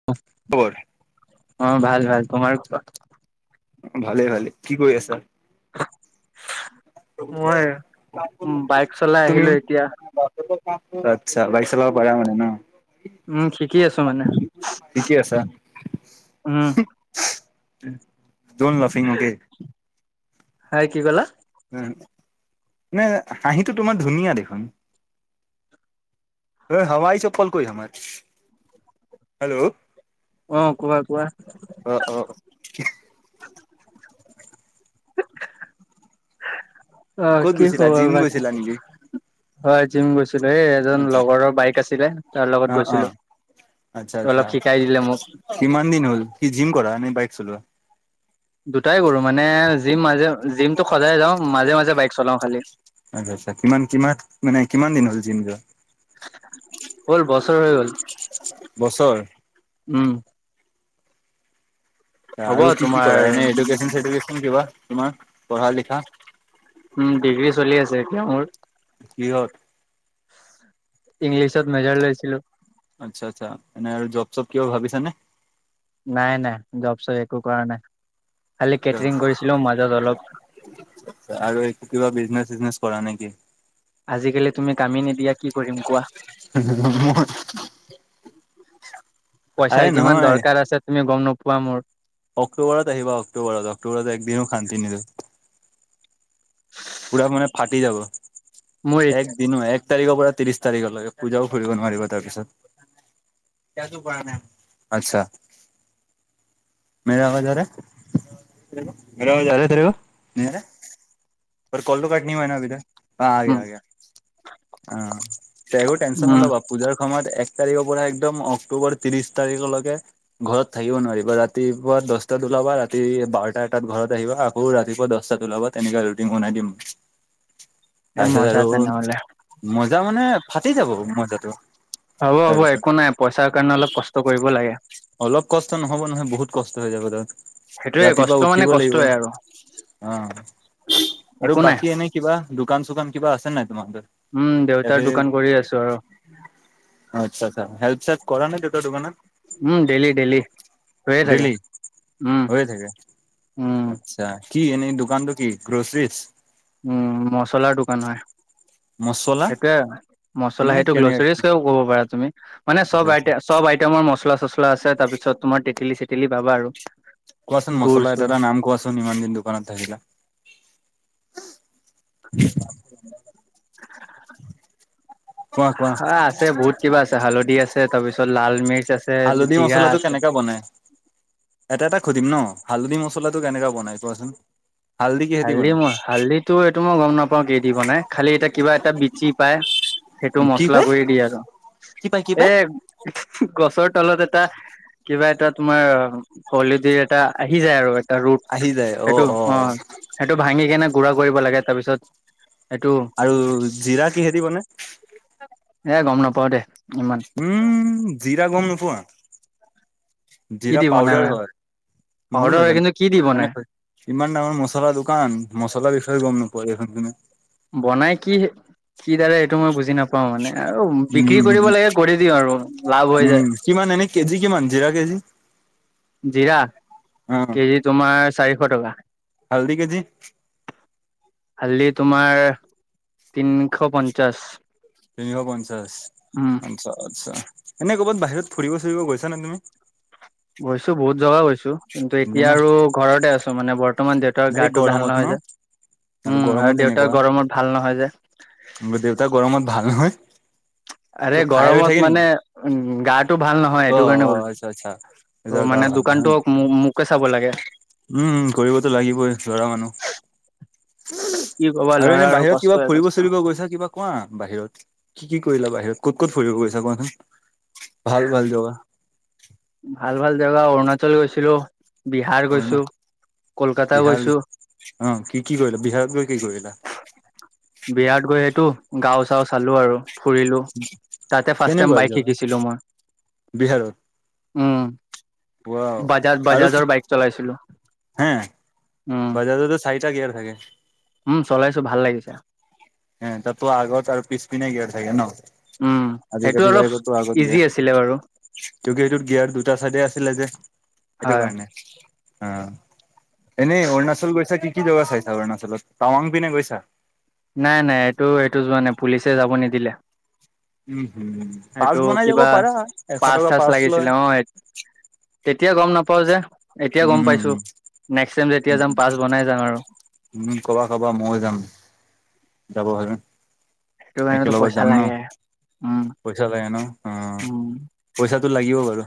[unintelligible] [unintelligible] অ', ভাল ভাল তোমাৰ কোৱা? ভালে ভালে কি কৰি আছা? মই উম বাইক চলাই [unintelligible] তুমি আহিলো এতিয়া আচ্ছা, বাইক চলাব পাৰা মানে ন'? উম, শিকি আছো মানে ঠিকে উম। দন লাফিং অকে। হাই কি ক'লা? নে হাঁহিটো তোমাৰ ধুনীয়া দেখোন। [unintelligible] হেল্ল'? অ', কোৱা কোৱা। অ', অ'। [inaudible] ক'ত অ', কি গৈছিলা খবৰ জিম বাকী? গৈছিলা নেকি হয়, জিম গৈছিলোঁ এই এজন আচ্ছা লগৰৰ বাইক আছিলে তাৰ অ লগত অ গৈছিলোঁ। আচ্ছা আচ্ছা অলপ শিকাই দিলে মোক। কিমান দিন হ'ল কি জিম কৰা নে বাইক চলোৱা? দুটাই কৰোঁ মানে জিম মাজে জিমটো সজাই যাওঁ মাজে মাজে বাইক চলাও খালি। আচ্ছা আচ্ছা, কিমান কিমান মানে কিমান দিন হ'ল জিম যোৱা? হ'ল বছৰ হৈ গ'ল, বছৰ উম। হ'ব আৰু কি কি তোমাৰ কৰা এনে এডুকেছন চেদুকেচন কিবা তুমাৰ পঢ়া লিখা? উম, ডিগ্ৰী চলি আছে এতিয়া মোৰ। কিহত? ইংলিছত মেজৰ লৈছিলো আচ্ছা আচ্ছা এনে আৰু জব-চব কিবা ভাবিছা নে? নাই নাই জব-চব একো কৰা নাই খালি কেটৰিং কৰিছিলো মাজত অলপ। আৰু একো কিবা বিজনেচ-চিজনেচ কৰা নেকি? আজিকালি তুমি, কামে নিদিয়া কি কৰিম কোৱা? [unintelligible] আৰে পইচাৰ কিমান নহয় দৰকাৰ আছে তুমি গম নোপোৱা মোৰ। অক্টোবৰত আহিবা অক্টোবৰত অক্টোবৰত একদিনো শান্তি নিদিওঁ পুৰা মানে ফাটি যাব মোৰ একদিনো এক এক তাৰিখৰ পৰা ত্ৰিশ তাৰিখলৈকে পূজাও ফুৰিব নোৱাৰিবা তাৰপিছত। ইয়াতো কৰা নাই, আচ্ছা। মেৰা আৱাজ আ ৰাহা হে মেৰা আৱজ আ ৰাহা তেৰে ক? বাট কলটো কাট নহি হোৱা হে না অভি তাক হা আ উম গয়া আ গয়া। অ এইবোৰ টেনশ্যন উম নল'বা পূজাৰ সময়ত এক এক তাৰিখৰ পৰা একদম অক্টোবৰ ত্ৰিশ তাৰিখলৈকে ঘৰত থাকিব নোৱাৰিবা ৰাতিপুৱা দহটা ওলাব বা আৰু ৰাতি বাৰটা এটাত ঘৰত আহিবা। আকৌ ৰাতিপুৱা দহটাত ওলাবা তেনেকৈ ৰুটিং বনাই দিম। এ তাৰপিছত মজা আৰু তেনেহলে মজ্জা মানে ফাটি যাব মজ্জাটো। হ'ব হ'ব একো নাই পইচাৰ কাৰণে অলপ কষ্ট কৰিব লাগে অলপ কষ্ট নহ'ব নহয় বহুত কষ্ট হৈ যাব তাত সেইটোয়ে কষ্ট ৰাতিপুৱা মানে উঠিব লাগিব কষ্টই অ' আৰু আৰু একো নাই বাকী এনেই কিবা দোকান চোকান কিবা আছে নাই তোমাৰ উম দেউতাৰ তাতেই দোকান কৰি আছো আৰু [inaudible] আচ্ছা আচ্ছা হেল্প চেলপ কৰা নাই দেউতাৰ দোকানত উম ডেইলি ডেইলি হৈয়ে থাকে ডেইলি উম হৈয়ে থাকে উম আচ্ছা কি এনেই দোকানটো কি গ্ৰচৰিজ উম মচলাৰ দোকান হয়। মচলা। মানে মচলা সেইটো কেনে গ্ৰ'চাৰীৰ হিচাপে কব পাৰা তুমি মানে আচ্ছা আচ্ছা চব আইটেমৰ মচলা চচলা আছে তাৰ পিছত তোমাৰ তেঁতেলী-চেটেলী পাবা আৰু কোৱাচোন গুৰ মছলাৰ এটা চুৰ এটা নাম কোৱাচোন ইমান দিন দোকানত থাকিলা [inaudible] কোৱা কোৱা হয় আছে বহুত কিবা আছে হালধি আছে তাৰ পিছত লাল মিৰ্চ আছে হালধি জিৰা মছলাটো আছে। কেনেকে বনাই? এটা এটা সুধিম ন হালধি মছলাটো কেনেকা বনাই কোৱাচোন কিহেদি হালধি বনাই মই হালধি এইটো মই গম নাপাওঁ কি দি বনাই খালি এতিয়া কিবা এটা বিচি পায় সেইটো কি মছলা পাই গুড়ি দিয়ে আৰু কি পায়, কি এ পায়? গছৰ তলত এটা কিবা এটা তোমাৰ হলিডেৰ এটা আহি যায় আৰু এটা ৰুট আহি যায় অ সেইটো অ' সেইটো ভাঙি কেনে গুড়া কৰিব লাগে তাৰপিছত সেইটো আৰু জিৰা কিহে দি বনাই এ গম নাপাও, দে ইমান উম, জিৰা গম নোপোৱা? কি জিৰা দি বনাই পাউডাৰ হয় মইও পাউদাৰ হয় নাজানো কিন্তু কি দি বনাই সেইকাৰণে কৈছো ইমান ডাঙৰ মছলা দোকান মছলা বিষয় গম নোপোৱা তুমি বনাই কি? কি দৰে সেইটো মই বুজি নাপাও মানে আৰু বিক্ৰী উম কৰিব লাগে কৰি দিও আৰু লাভ হৈ উম যায়। কিমান এনে কেজি কিমান জীৰা কেজি? জীৰা, অ কেজি তোমাৰ চাৰিশ টকা। হালধি কেজি? হালধি তোমাৰ তিনিশ পঞ্চাশ। তিনিশ পঞ্চাশ, উম আচ্ছা আচ্ছা। এনে কৰ'বাত বাহিৰত ফুৰিব চুৰিব গৈছা নে তুমি? গৈছো বহুত জাগা গৈছো কিন্তু নে এতিয়া নাই? আৰু ঘৰতে আছো মানে ব ৰ্তমান দেউতাৰ এই গাটো ভাল গৰমত ন নহয় যে, উম গৰমো আৰু দেউতাৰ তেনেকুৱা গৰমত ভাল নহয় যে। দেউতা গৰমত ভাল নহয়? আৰে কিয় ফায়াৰ হৈ থাকে গৰমত নেকি মানে উম গাটো ভাল নহয়, অ সেইটো কাৰণে অ কলো। আচ্ছা আচ্ছা দেউতাৰ ত' গা মানে ভাল নহয় দোকানটো মোকে চাব লাগে। উম কৰিবতো লাগিবই ল'ৰা মানু্হ। কি কবা আৰু ল'ৰা এনে বাহিৰত কিবা কষ্টই ফুৰিব কষ্ট চুৰিব গৈছা কিবা কোৱা বাহিৰত কি কি কৰিলা বাহিৰত ক'ত ক'ত ফুৰিব গৈছা কোৱাচোন ভাল ভাল জাগা? ভাল ভাল জাগা অৰুণাচল গৈছিলো, বিহাৰ অৰুণা গৈছো। কলকাতা বিহাৰ গৈছো অ', কি কি কৰিলা বিহাৰত গৈ কি কৰিলা? বিহাৰত গৈ এইটো গাঁও চাও চালো আৰু। ফুৰিলো তাতে ফাৰ্ষ্ট টাইম কেনেকুৱা বাইক জেগা শিকিছিলো মই, বিহাৰত উম। ৱাও বাজাজ আৰু কি বাজাজৰ বাইক চলাইছিলো, হে উম। বাজাজতো চাৰিটা গিয়াৰ থাকে? উম চলাইছো ভাল লাগিছে। তাতটো আগত আৰু পিছ পিনে গিয়াৰ থাকে ন? উম, আজি সেইটো কালি অলপ বাইকতো আগত ইজি আছিলে বাৰু গিয়াৰ। কিটোত গিয়াৰ দুটা চাইডে আছিলে যে সেইটো হয়। কাৰণে, আঁ। এনে অৰুণাচল গৈছা কি কি জাগা চাইছা অৰুণাচলত? টাৱং পিনে গৈছা? নাই নাই এইটো এইটো যোৱা নাই পুলিচে যাব নিদিলে। উম হুম পাছ সেইটো বনাই যাব কিবা পাৰা এশ পাচ টকা চাচ পাছ লয় লাগিছিলে, অঁ। তেতিয়া গম নাপাওঁ যে এতিয়া গম উম পাইছোঁ, নেক্সট টাইম যেতিয়া যাম পাচ বনাই যাম আৰু। উম কবা কবা মইয়ো যাম। যাব হ'লে সেইটো কাৰণেতো একেলগত পইচা যাম ন, লাগে। উম, পইচা লাগে ন অ' উম, পইচাটো লাগিব বাৰু।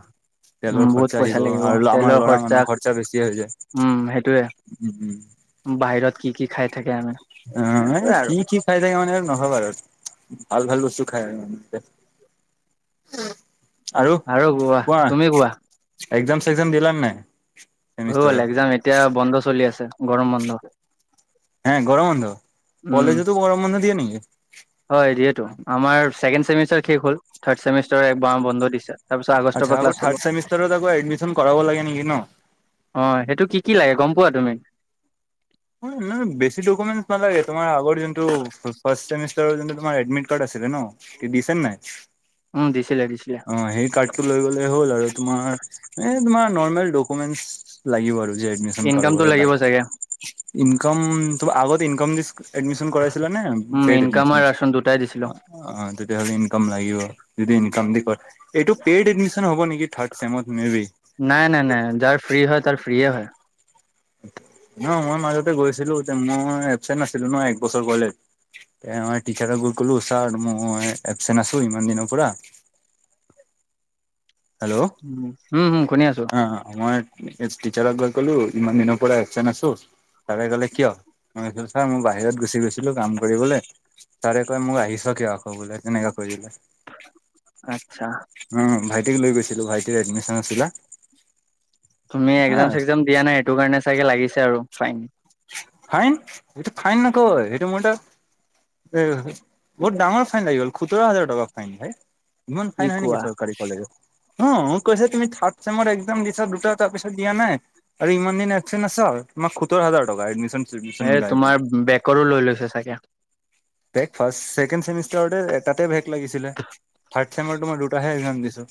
উম, তেলৰ বহুত খৰচা আহিব পইচা লাগিব আৰু আমাৰ তেলৰ ল'ৰা মানুহ খৰচা বেছি হৈ যায়। উম, সেইটোয়ে উম উম। বাহিৰত কি কি খাই থাকে আমি অ', এই সেইটোয়ে কি আৰু। কি খাই থাকে মানে নহয় বাৰু, ভাল ভাল বস্তু খায় আৰু। উম, আৰু কোৱা? এক্সাম চেগজাম দিলা নে নাই? হৈ গ'ল চেমিষ্টাৰৰ এক্সাম, এতিয়া বন্ধ চলি আছে গৰম বন্ধ। হে গৰম বন্ধ, উম কলেজতো গৰম বন্ধ দিয়ে নেকি? হয় দিয়েটো আমাৰ ছেকেণ্ড চেমিষ্টাৰ শেষ হ'ল, থাৰ্ড চেমিষ্টাৰ একমাহ বন্ধ দিছে। তাৰপিছত আগষ্টৰ আচ্ছা। পৰা আকৌ ক্লাছ হ'ব থাৰ্ড ছেমিষ্টাৰত এডমিচন কৰাব লাগে নেকি ন? অঁ এইটো কি কি লাগে গম পোৱা তুমি? না বেছি ডকুমেন্ট নালাগে তোমাৰ আগৰ যোনটোৰ ফাষ্ট ছেমিষ্টাৰৰ যোনটো তোমাৰ এডমিট কাৰ্ড আছিলে ন দিছে নে নাই? উম দিছিলে দিছিলে অঁ, সেই কাৰ্ড টো লৈ গ'লে হ'ল, আৰু তোমাৰ এ তোমাৰ নৰ্মেল ডকুমেন্ট লাগিব আৰু। এডমিছন ইনকামটো কৰাবোলে নাই? লাগিব চাগে ইনকামটো আগত ইনকামটোৰে এডমিছন কৰাই ছিলানে উম ফ্ৰিট ইনকাম এডমিছন আৰু হৈছে ৰাচন দুটাই দিছিলো অ? অ তেতিয়াহ'লে ইনকাম লাগিব, যদি ইনকাম দি কৰে। এইটো পেইড এডমিশন হব নেকি থাৰ্ড চেমত মে বি? নাই নাই নাই যাৰ ফ্ৰী হয় তাৰ ফ্ৰীয়ে হয়। ন মই মাজতে গৈছিলো, তে মই এবচেণ্ট নাছিলো ন এক বছৰ গলে। তে মই টিচাৰক গৈ ক'লো, ছাৰ মই এবচেণ্ট আছো ইমান দিনৰ পৰা হেল্ল'? উম হুম হুম, শুনি আছো অ মই হেড টীচ্ছাৰক গৈ কলো ইমান দিনৰ পৰা এবচেন আছো ছাৰে কলে কিয়? মই কলো ছাৰ মই বাহিৰত গুচি গৈছিলো কাম কৰিবলৈ। ছাৰে কয় মোক আহিছ কিয় আকৌ বোলে তেনেকে কৈ দিলে। আচ্ছা। উম ভাইটিক লৈ গৈছিলো, ভাইটিৰ এডমিচন আছিলে। তুমি হা একজাম- চেকজাম দিয়া নাই সেইটো কাৰণে চাগে লাগিছে আৰু ফাইন। ফাইন এইটো ফাইন নকয় এইটো মোৰ এটা এ বহুত ডাঙৰ ফাইন লাগি গ'ল সোতৰ হাজাৰ টকা ফাইন ভাই, ইমান কি ফাইন হয় নেকি কোৱা চৰকাৰী? কলে, অ মোক কৈছে তুমি থাৰ্ড চেমত এক্সাম দিছা দুটা তাৰপিছত দিয়া নাই। আৰু ইমান দিন এবচেন আচ, তোমাৰ সোতৰ হাজাৰ টকা এডমিশ্যন এই তোমাৰ বেকৰো লৈ লৈছে চাগে? বেক, ফাষ্ট ছেকেণ্ড চেমিষ্টাৰতে তাতে বেক লাগিছিলে, থাৰ্ড চেমৰ তোমাৰ দুটাহে এক্সাম দিছোঁ।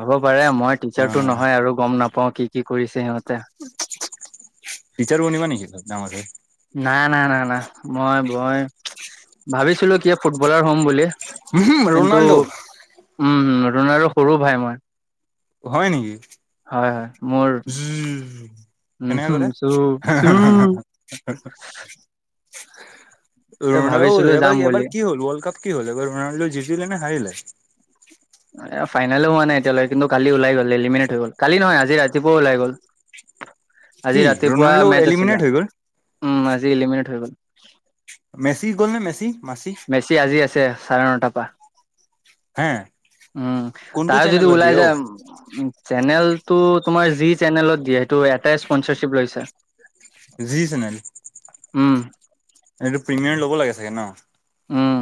হ'ব পাৰে, মই টিচাৰটো নহয় আৰু গম নাপাও কি কি কৰিছে সিহঁতে? টিচ্ছাৰ বনিবা নেকি তই ডাঙৰ হৈ? নাই নাই নাই নাই, মই মই ভাবিছিলো কি ফুটবলাৰ হ'ম বুলি। উমহু কিন্তু ৰনাল্ডো উম ৰণাল্ডৰ সৰু ভাই মই। হয় নেকি? হয় হয়, মোৰ জু উম এনেকে হু কৰে চু চু। ত ৰণাল্ড অ ভাবিছিলো এবাৰ যাম এবাৰ বুলি কি হল ৱৰ্ল্ড কাপ কি হল, এবাৰ ৰনাল্ডো জিতিলে নে হাৰিলে? এ ফাইনেল হোৱা নাই এতিয়ালৈ কিন্তু কালি ওলাই গ'ল এলিমিনেট হৈ গ'ল, কালি নহয় আজি ৰাতিপুৱা ওলাই গ'ল। আজি কি ৰাতিপুৱা ৰনাল্ডো মেচ আছিলে, এলিমিনেট হৈ গ'ল উম আজি এলিমিনেট হৈ গ'ল। মেছি গ'ল নে মেছি মাচি? মেছি আজি আছে, চাৰে নটাৰ পৰা। হে উম কোনটো তাৰ যদি চেনেলত দিয়ে ওলাই অ যায়, উম চেনেলটো তোমাৰ যি চেনেলত দিয়ে সেইটো এটাই স্পনচাৰশ্বিপ লৈছে। যি চেনেল। উম। সেইটো প্ৰিমিয়াম ল'ব লাগে চাগে ন? উম,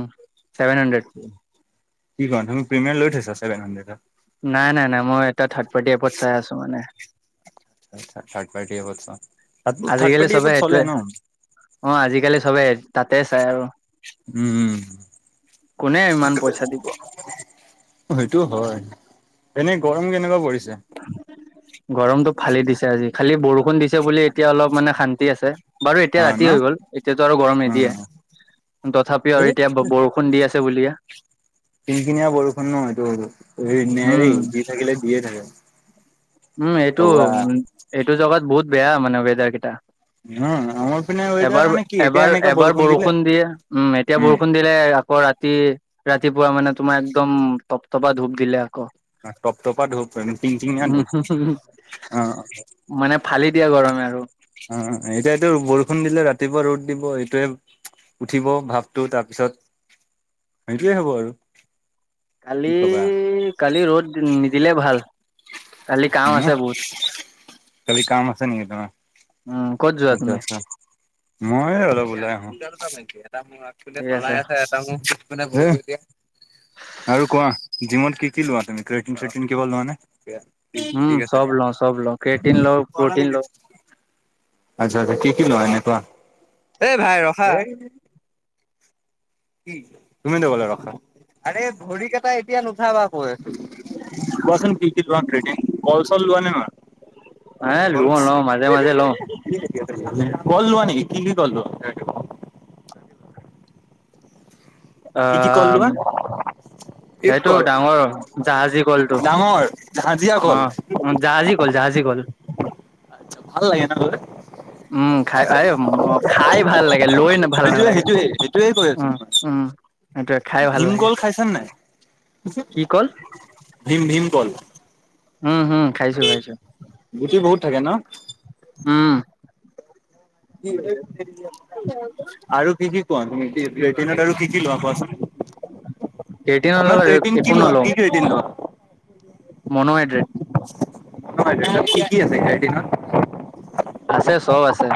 চেভেন হাণ্ড্ৰেড। কি কোৱা তুমি প্ৰিমিয়াম লৈ থৈছা ছেভেন হাণ্ড্ৰেডৰ? নাই নাই নাই, মই এটা থাৰ্ড পাৰ্টি এপত চাই আছো মানে। অ' থাৰ্ড থাৰ্ড পাৰ্টি এপট চাওঁ, থাৰ্ড থাৰ্ড আজিকালি পাৰ্টি চবে এপত এইটোৱে চলে ন? অ' আজিকালি চবেই তাতে চাই আৰু। উম কোনে ইমান পইচা দিব? সেইটো হয়। এনেই গৰম কেনেকুৱা পৰিছে? গৰমটো ফালি দিছে আজি, খালি বৰষুণ দিছে বুলি এতিয়া অলপ মানে শান্তি আছে। বাৰু, এতিয়া অ ন ৰাতি হৈ গ'ল, এতিয়াতো আৰু গৰম নিদিয়ে। উম তথাপি এ আৰু এতিয়া ব-বৰষুণ দি আছে বুলিয়ে। কিনকিনিয়া বৰষুণ ন, এইটো উম নেৰেই, দি থাকিলে দিয়ে থাকে। উম এইটো, ভগৱান উ এইটো জগাত বহুত বেয়া মানে ৱেডাৰ কেইটা। উম, আমাৰ পিনে ৱেডাৰ এবাৰ মানে কি এতিয়া এবাৰ এনেকা এবাৰ দিলে বৰষুণ দিয়ে। উম, এতিয়া বৰষুণ দিয়ে। আকৌ ৰাতি-ৰাতিপুৱা মানে তোমাৰ একদম টপটপা ধূপ দিলে আকৌ। টপটপা ধূপ, টিংটিঙীয়া ধুপ, উম অ'। মানে, ফালি দিয়ে গৰমে আৰু। অ', এতিয়াটো বৰষুণ দিলে ৰাতিপুৱা ৰ'দ দিব। এইটোয়ে উঠিব ভাপটো, তাৰপিছত সেইটোৱেই হ'ব আৰু। কি কালি কবা কালি ৰ'দ নিদিলে ভাল, কালি কাম ন? আছে বহুত। কালি কাম আছে নেকি তোমাৰ? উম। ক'ত যোৱা আচ্ছা, তুমি আচ্ছা। মই অলপ ওলাই আহো, ঠিক আছে [unintelligible] [unintelligible] আৰু কোৱা, জিমত কি কি লোৱা তুমি? ক্ৰিয়েটিন-চ্ৰিয়েটিন কিবা লোৱা নে? উম ঠিক আছে চব দিয়া, লওঁ চব লওঁ ক্ৰেটিন লওঁ বাৰ প্ৰটিন লওঁ মিনিট আচ্ছা আচ্ছা, কি কি লোৱা এনে কোৱা? এ ভাই, ৰখা। কি? তুমিতো ক'লা ৰখা। আৰে ভৰি কেটাই এটিয়া নুঠাবা কৈ আছোঁ, কোৱাচোন কি কি লোৱা ক্ৰিয়েটিন? কল-চল লোৱা নে নোলোৱা? এ কল। লওঁ লওঁ মাজে মাজে লওঁ [unintelligible] কল লোৱা নেকি, কি কি কল লোৱা? অ কি কি ক'ল লোৱা? সেইটো ডাঙৰ জাহাজী কলটো, ডাঙৰ হাজিয়া অ'! কল অ', জাহাজী কল, জাহাজী কল। ভাল লাগে ন লৈ? উম খাই [unintelligible] খাই ভাল লাগে, লৈ ভাল সেইটোয়ে নালাগে-উম উম। সেইটোৱে খাই ভাল লাগে ভীমকল খাইছানে নাই? কি কল? ভীম-ভীমকল। উম হুম, খাইছোঁ খাইছোঁ। গুটি বহুত থাকে ন? উম। আৰু কি কি খোৱা তুমি? ক্ৰিয়েটিনত আৰু কি কি লোৱা কোৱাচোন? ক্ৰেটিনৰ লগত তোমাৰ ক্ৰেটিন একো কি লোৱা? কি ক্ৰেটিন লোৱা? মনোহাইড্ৰেট। [unintelligible] কি কি আছে ক্ৰেটিনত? আছে, চব আছে।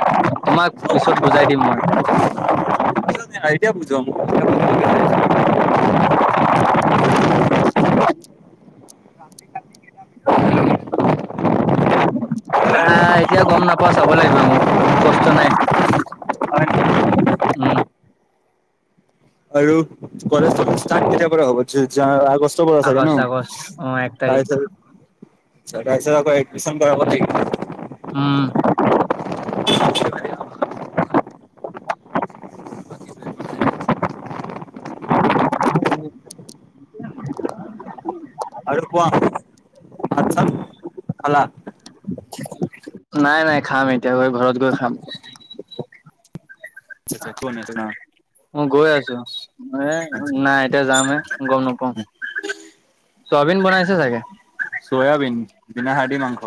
তোমাক পিছত বুজাই দিম মই। [unintelligible] [inaudible] উম। আহ, এতিয়া গম নাপাওঁ। চাব লাগিব, মোক মুখস্থ নাই। উম। আৰু কলেজ চলেজ ষ্টাৰ্ট কেতিয়াৰ পৰা হ'ব, জা আগষ্ট [unintelligible] চাগে ন আগষ্ট আগষ্ট অ এক তাৰিখ [unintelligible] আকৌ এডমিশ্যন কৰা হব উম [unintelligible] [unintelligible] আৰু কোৱা ভাত ছাত খালা নাই নাই খাম এতিয়া গৈ ঘৰত গৈ খাম [unintelligible] মই গৈ আছো এ নাই এতিয়া যামে গম নাপাও চয়াবিন বনাইছে চাগে চয়াবিন বিনা হাডী মাংস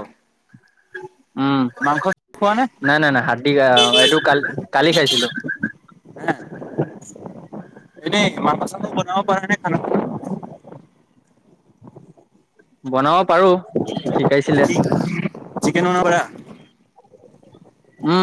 উম মাংস খোৱা নে নাই নাই নাই হাতদি গা এইটো কালি কালি খাইছিলো হে এনেই [unintelligible] বনাব পৰা নে খানা বনাব পাৰো শিকাইছিলে চিকেন ননা পৰা উম